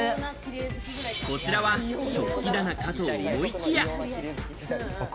こちらは食器棚かと思いきや。